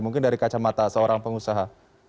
mungkin dari kacamata seorang pengusaha